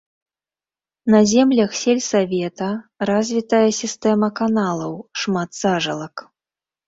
На землях сельсавета развітая сістэма каналаў, шмат сажалак.